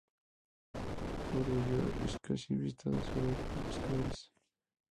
Por ello es casi visitada sólo por pescadores.